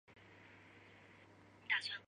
长津湖战役